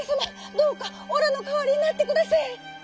どうかおらのかわりになってくだせい」。